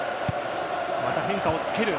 また変化をつける。